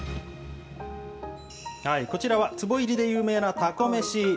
こちらはつぼ入りで有名なたこ飯。